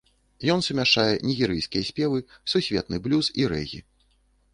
Ён сумяшчае нігерыйскія спевы, сусветны блюз і рэгі.